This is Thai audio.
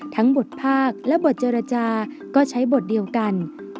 บทภาคและบทเจรจาก็ใช้บทเดียวกัน